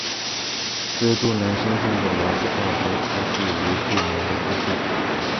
对杜兰身份的了解大多出自于杜兰的自述。